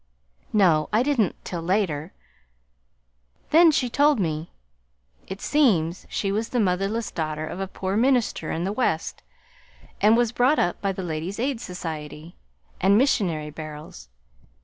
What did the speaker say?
"No, I didn't, till later. Then she told me. It seems she was the motherless daughter of a poor minister in the West, and was brought up by the Ladies' Aid Society and missionary barrels.